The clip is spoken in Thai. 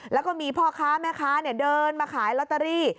แล้วก็มีพ่อค้าแม่ค้าเดินมาขายลอตเตอรี่